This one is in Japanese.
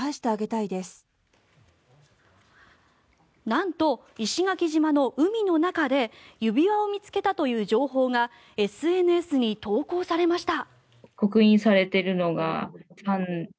なんと、石垣島の海の中で指輪を見つけたという情報がＳＮＳに投稿されました。